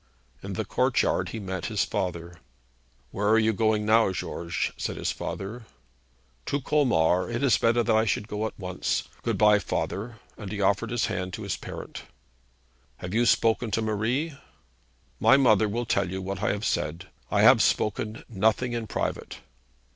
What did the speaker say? In the courtyard he met his father. 'Where are you going now, George?' said his father. 'To Colmar. It is better that I should go at once. Good bye, father;' and he offered his hand to his parent. 'Have you spoken to Marie?' 'My mother will tell you what I have said. I have spoken nothing in private.'